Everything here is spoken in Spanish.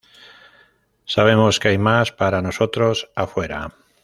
Sabemos que hay más para nosotros afuera.